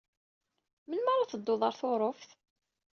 Melmi ara tedduḍ ɣer Tuṛuft?